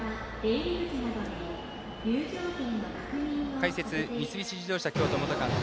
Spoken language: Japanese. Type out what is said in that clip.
解説、三菱自動車京都元監督